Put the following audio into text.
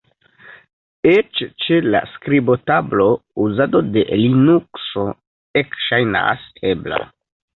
Eĉ ĉe la skribotablo, uzado de Linukso ekŝajnas ebla.